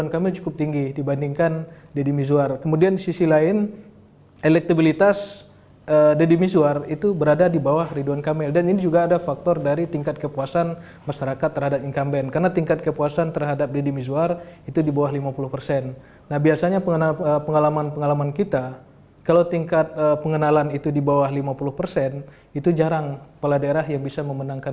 kayaknya sudah semakin di depan mata ya